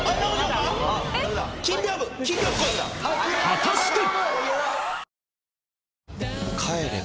果たして？